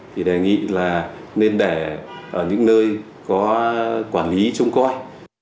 thì đề nghị là nên để ở những nơi có quản lý trông coi